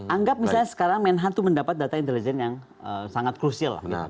anggap misalnya sekarang menhan itu mendapat data intelijen yang sangat krusial